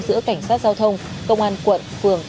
giữa cảnh sát giao thông công an quận phường